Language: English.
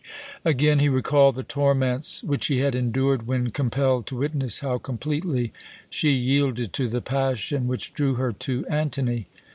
Again he recalled the torments which he had endured when compelled to witness how completely she yielded to the passion which drew her to Antony.